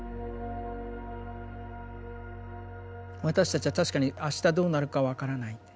私たちは確かにあしたどうなるか分からない。